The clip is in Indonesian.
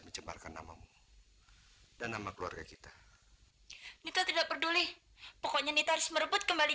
mencemarkan namamu dan nama keluarga kita nita tidak peduli pokoknya nita harus merebut kembali